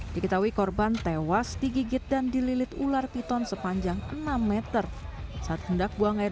diketahui korban tewas digigit dan dililit ular piton sepanjang enam meter saat hendak buang air